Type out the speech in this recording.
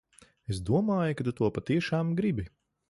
Es domāju, ka tu to patiešām gribi.